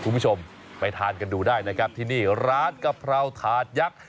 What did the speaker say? คุณผู้ชมไปทานกันดูได้นะครับที่นี่ร้านกะเพราถาดยักษ์